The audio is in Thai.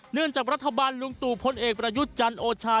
เนื่องจากรัฐบาลลุงตุ๋พลเอกประยุจรรย์โอชา